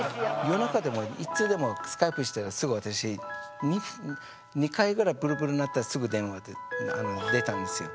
夜中でもいつでもＳｋｙｐｅしたらすぐ私２回ぐらいプルプル鳴ったらすぐ電話出たんですよ。